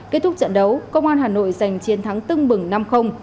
kết thúc trận đấu công an hà nội giành chiến thắng tưng bừng năm